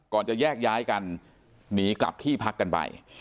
จะแยกย้ายกันหนีกลับที่พักกันไป